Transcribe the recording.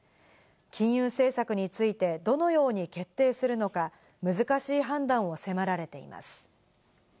金融政策についてどのように決定するのか難しい判断を迫られています。